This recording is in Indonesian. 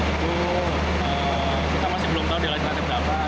itu kita masih belum tahu di lantai berapa